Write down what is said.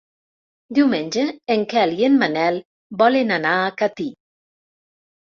Diumenge en Quel i en Manel volen anar a Catí.